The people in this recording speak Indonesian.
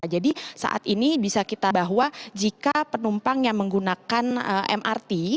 jadi saat ini bisa kita bahwa jika penumpang yang menggunakan mrt